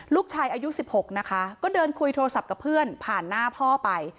ลูกชายอายุ๑๖นะคะก็เดินคุยโทรศัพท์กับเพื่อนผ่านหน้าพ่อไป